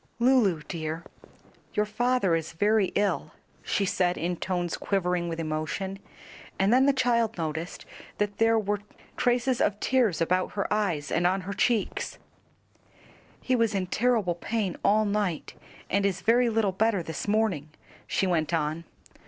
"Lulu, dear, your father is very ill," she said in tones quivering with emotion, and then the child noticed that there were traces of tears about her eyes and on her cheeks, "He was in terrible pain all night, and is very little better this morning," she went on.